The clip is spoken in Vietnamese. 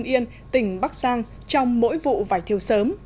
tân yên tỉnh bắc giang trong mỗi vụ vải thiều sớm